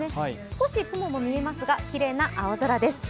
少し雲も見えますがきれいな青空です。